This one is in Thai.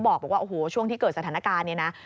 บอกว่าโอ้โหช่วงที่เกิดสถานการณ์นี้นะ